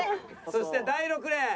そして第６レーン。